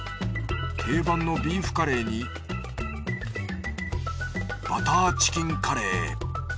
定番のビーフカレーにバターチキンカレー。